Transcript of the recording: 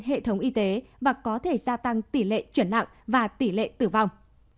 hệ thống y tế và có thể gia tăng tỷ lệ chuyển nặng và tỷ lệ tử vong